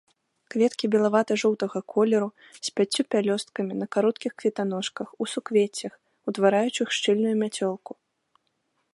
Кветкі белавата-жоўтага колеру, з пяццю пялёсткамі, на кароткіх кветаножках, у суквеццях, утвараючых шчыльную мяцёлку.